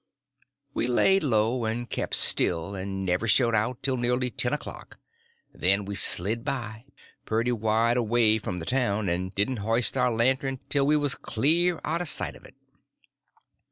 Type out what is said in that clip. We laid low and kept still, and never shoved out till nearly ten o'clock; then we slid by, pretty wide away from the town, and didn't hoist our lantern till we was clear out of sight of it.